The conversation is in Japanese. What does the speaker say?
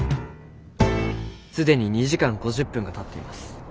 既に２時間５０分がたっています。